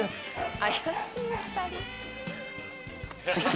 怪しい２人。